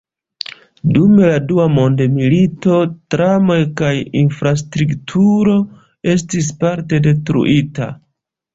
Dum la Dua Mondmilito, tramoj kaj infrastrukturo estis parte detruita.